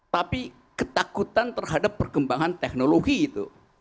tapi ketakutan terhadap perkembangan teknologi itu